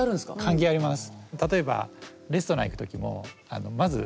関係あります。